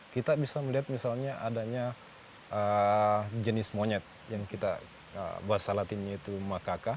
kita bisa melihat misalnya adanya jenis monyet yang kita bahasa latinnya itu makaka